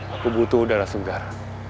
aku butuh udara segar